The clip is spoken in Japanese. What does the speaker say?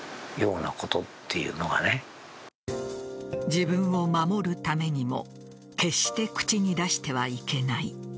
自分を守るためにも決して口に出してはいけない。